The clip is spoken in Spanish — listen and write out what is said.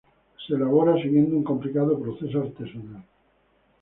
Se elabora siguiendo un complicado proceso artesanal.